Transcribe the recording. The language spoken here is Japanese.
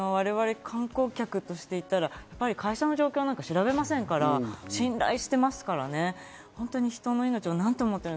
我々、観光客として行ったら、会社の状況なんて調べませんから、信頼していますからね。